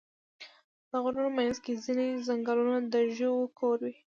د غرونو منځ کې ځینې ځنګلونه د ژویو کور وي.